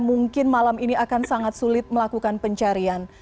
mungkin malam ini akan sangat sulit melakukan pencarian